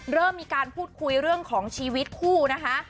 เริ่มมีการพูดคุยเรื่องของชีวิตคู่นะคะ